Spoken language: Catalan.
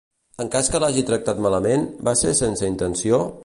En cas que l'hagi tractat malament, va ser sense intenció?